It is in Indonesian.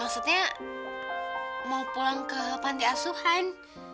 maksudnya mau pulang ke panti asuhan